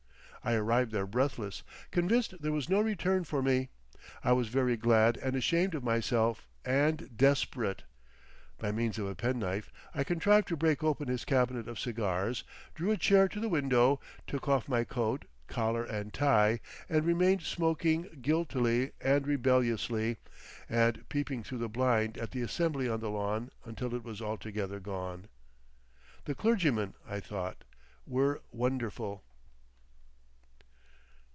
I arrived there breathless, convinced there was no return for me. I was very glad and ashamed of myself, and desperate. By means of a penknife I contrived to break open his cabinet of cigars, drew a chair to the window, took off my coat, collar and tie, and remained smoking guiltily and rebelliously, and peeping through the blind at the assembly on the lawn until it was altogether gone.... The clergymen, I thought, were wonderful.